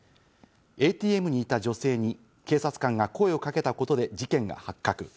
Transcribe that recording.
ＡＴＭにいた女性に警察官が声をかけたことで事件が発覚。